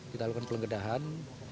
kita lakukan penggeledahan